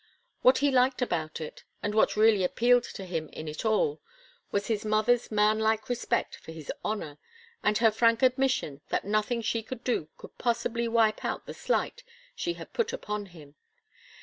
What he liked about it, and what really appealed to him in it all, was his mother's man like respect for his honour, and her frank admission that nothing she could do could possibly wipe out the slight she had put upon him.